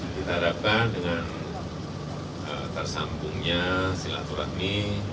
kita harapkan dengan tersambungnya silaturahmi